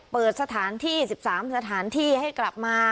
เปิดสถานที่๑๓สถานที่ให้กลับมา